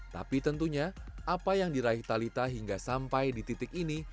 tapi tentunya apa yang diraih talitha hingga sampai di titik ini